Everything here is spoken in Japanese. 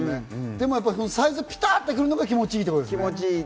でもサイズ、ピタってくるのが気持ちいいんですね。